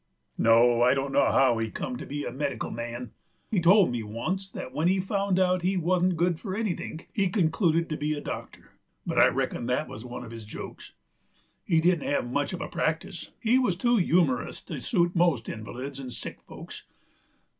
No, I don't know how he come to be a medikil man. He told me oncet that when he found out that he wuzn't good for anythink he concluded he'd be a doctor; but I reckon that wuz one uv his jokes. He didn't have much uv a practice: he wuz too yumorous to suit most invalids 'nd sick folks.